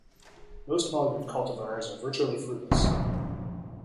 Most modern cultivars are virtually fruitless.